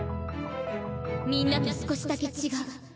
みんなと少しだけ違う。